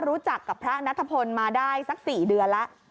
รู้จักกับพระนัทพลมาได้สัก๔เดือนแล้ว